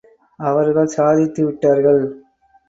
அவர்கள் சாதித்து விட்டார்கள்.